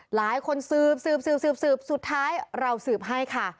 หลายคนสืบสืบสืบสืบสืบท้ายให้ค่ะ